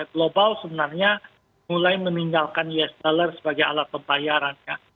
global sebenarnya mulai meninggalkan us dollar sebagai alat pembayarannya